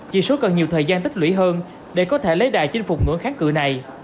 chỉ số cần nhiều thời gian tích lũy hơn để có thể lấy đà chinh phục ngưỡng kháng cự này